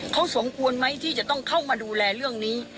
เขาสมควรไหมที่จะต้องเข้ามาดูแลเรื่องนี้